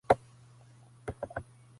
قوت روحي هواك بل روح ذاتي